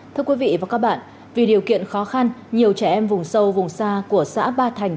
thưa quý vị và các bạn vì điều kiện khó khăn nhiều trẻ em vùng sâu vùng xa của xã ba thành